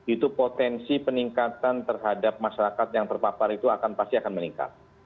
itu potensi peningkatan terhadap masyarakat yang terpapar itu akan pasti akan meningkat